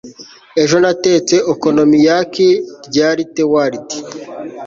ejo, natetse okonomiyaki. (ryanthewired